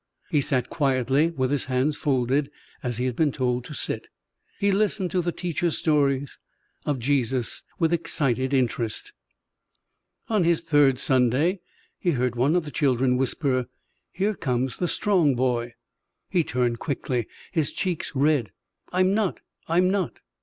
He sat quietly with his hands folded, as he had been told to sit. He listened to the teacher's stories of Jesus with excited interest. On his third Sunday he heard one of the children whisper: "Here comes the strong boy." He turned quickly, his cheeks red. "I'm not. I'm not."